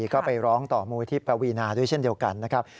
ก็ไปร้องต่อมูลที่ปวีนาด้วยเช่นเดียวกันนะครับ